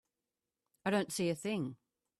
I don't see a thing.